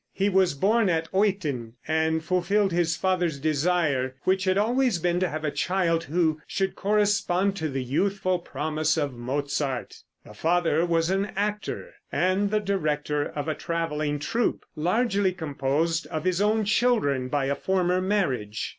He was born at Eutin, and fulfilled his father's desire, which had always been to have a child who should correspond to the youthful promise of Mozart. The father was an actor, and the director of a traveling troupe, largely composed of his own children by a former marriage.